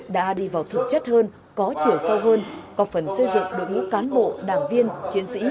đã đi vào thực chất hơn có chiều sâu hơn có phần xây dựng đội ngũ cán bộ đảng viên chiến sĩ